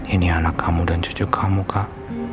ini anak kamu dan cucu kamu kak